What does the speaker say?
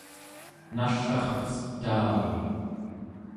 nall'arcetaarun